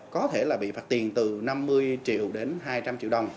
có thể là bị phạt tiền từ năm mươi triệu đến hai trăm linh triệu đồng